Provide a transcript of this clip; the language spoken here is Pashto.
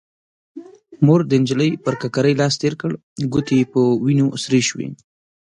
مور د نجلۍ پر ککرۍ لاس تير کړ، ګوتې يې په وينو سرې شوې.